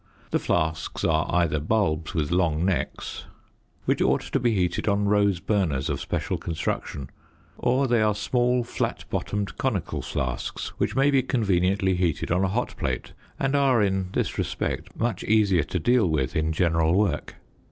The flasks are either bulbs with long necks (Fig. 46) which ought to be heated on rose burners of special construction; or they are small flat bottomed conical flasks which may be conveniently heated on a hot plate and are, in this respect, much easier to deal with in general work.